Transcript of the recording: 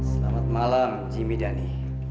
selamat malam jimmy dhani